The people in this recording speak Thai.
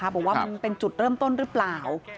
บอกว่ามันเป็นจุดเริ่มต้นหรือเปล่า